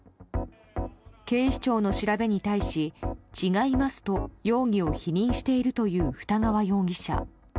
警視庁の調べに対し違いますと容疑を否認しているという二川容疑者。